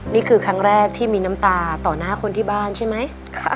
นี่คือครั้งแรกที่มีน้ำตาต่อหน้าคนที่บ้านใช่ไหม